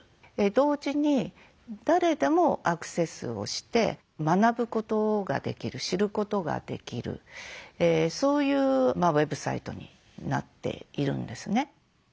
同時に誰でもアクセスをして学ぶことができる知ることができるそういうウェブサイトになっているんですね。